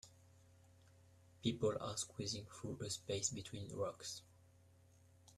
People are squeezing through a space between rocks.